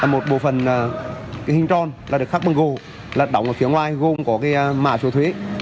một bộ phần cái hình tròn là được khắc bằng gù là đóng ở phía ngoài gồm có cái mã số thuế